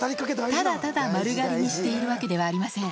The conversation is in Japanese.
ただ、ただ、丸刈りにしているわけではありません。